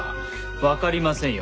わかりませんよ。